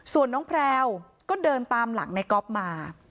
ส่วนน้องแพลวก็เดินตามหลังในก๊อฟมา